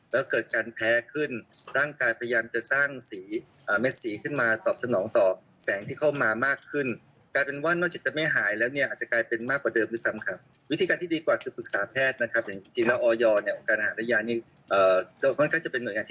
แล้วก็เกิดการแพ้ขึ้นร่างกายพยายามจะสร้าง